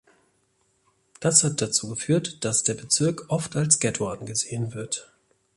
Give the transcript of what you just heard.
Das hat dazu geführt, dass der Bezirk oft als Ghetto angesehen wird.